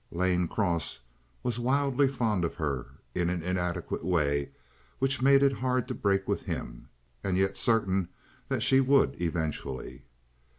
Lane Cross was wildly fond of her in an inadequate way which made it hard to break with him, and yet certain that she would eventually.